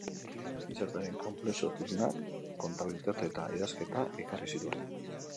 Gizartearen konplexutasunak kontabilitate eta idazketa ekarri zituen.